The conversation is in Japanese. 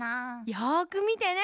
よくみてね。